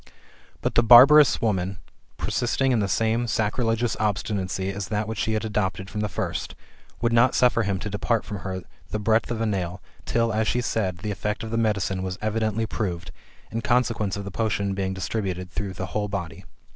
But the barbarous woman, persisting in the same sacrilegious obstinacy as that which she had adopted from the first, would not suffer him to depart from her the breadth of a nail, till, as she said, the eRect of the medicine was evidently proved, in consequence of the potion being distributed through the whole body.